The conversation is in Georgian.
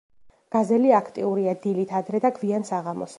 გაზელი აქტიურია დილით ადრე და გვიან საღამოს.